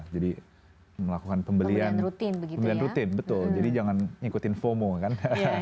jadi melakukan pembelian rutin betul jadi jangan ikutin fomo kan